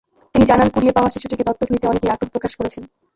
তিনি জানান, কুড়িয়ে পাওয়া শিশুটিকে দত্তক নিতে অনেকেই আগ্রহ প্রকাশ করেছেন।